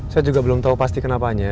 saya juga belum tahu pasti kenapanya